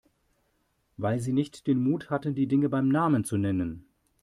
Weil Sie nicht den Mut hatten, die Dinge beim Namen zu nennen.